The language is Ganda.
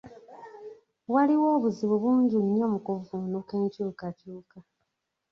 Waliwo obuzibu bungi nnyo mu kuvvuunuka enkyukakyuka.